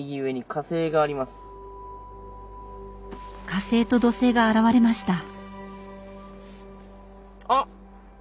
火星と土星が現れました！